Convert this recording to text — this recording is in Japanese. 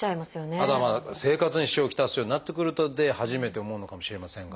あとはまあ生活に支障を来すようになってくると初めて思うのかもしれませんが。